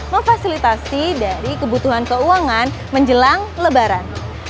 memfasilitasi dari kebutuhan keuangan menjelang lebaran